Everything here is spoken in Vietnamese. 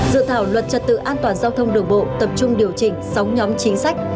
dự thảo luật trật tự an toàn giao thông đường bộ tập trung điều chỉnh sáu nhóm chính sách